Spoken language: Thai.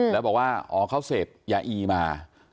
แล้วบอกว่าอ๋อเขาเสพยาอีมา